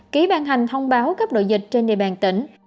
ký ban hành thông báo cấp độ dịch trên địa bàn tỉnh